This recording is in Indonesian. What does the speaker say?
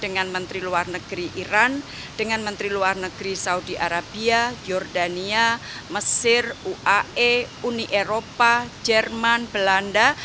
dengan menteri luar negeri iran dengan menteri luar negeri saudi arabia jordania mesir uae uni eropa jerman belanda